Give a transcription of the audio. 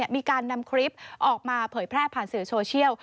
มีการนำคลิปออกมาเผยแพร่ผ่านสื่อโซเชียล